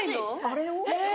・あれを？